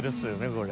これ。